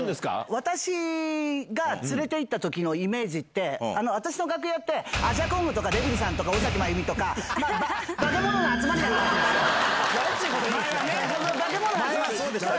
私が連れて行ったときのイメージって、私の楽屋って、アジャコングとか、デビルさんとか尾崎魔弓とか、化け物の集まりだったんですよ。